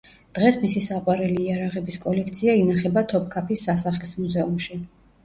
დღეს მისი საყვარელი იარაღების კოლექცია ინახება თოფქაფის სასახლის მუზეუმში.